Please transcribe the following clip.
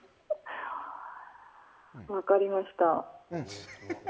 分かりました。